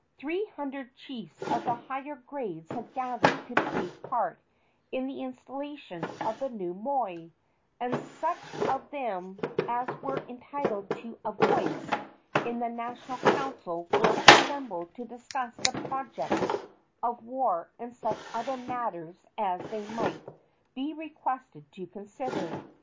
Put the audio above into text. Three hundred chiefs of the higher grades had gathered to take part in the installation of the new moi, and such of them as were entitled to a voice in the national councils were assembled to discuss the project of war and such other matters as they might be requested to consider.